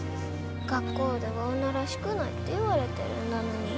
学校では女らしくないって言われてるんだのに。